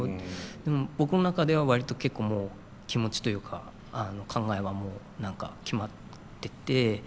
でも僕の中では割と結構もう気持ちというか考えはもう何か決まってて。